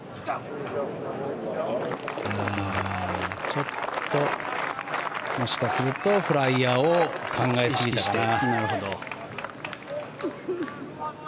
ちょっと、もしかするとフライヤーを考えすぎたかな。